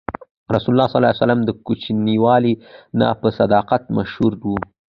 رسول الله ﷺ د کوچنیوالي نه په صداقت مشهور و.